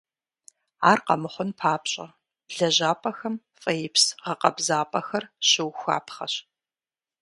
Ар къэмыхъун папщӏэ, лэжьапӏэхэм фӏеипс гъэкъэбзапӏэхэр щыухуапхъэщ.